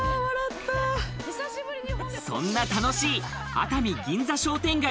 そんな楽しい熱海銀座商店街